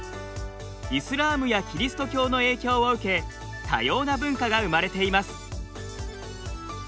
イスラームやキリスト教の影響を受け多様な文化が生まれています。